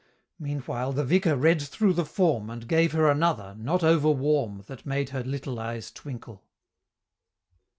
Meanwhile, the Vicar read through the form, And gave her another, not overwarm, That made her little eyes twinkle.